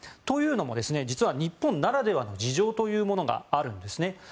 というのも、実は日本ならではの事情というものがあるんです。